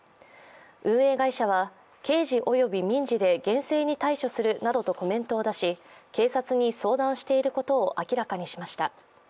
運営会社は刑事および民事で厳正に対処するなどとコメントを出し警察に相談していることを明らかにしました。